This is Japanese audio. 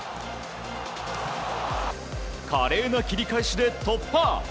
華麗な切り返しで突破！